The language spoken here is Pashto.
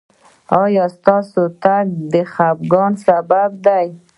ایا ستاسو تګ د خفګان سبب دی؟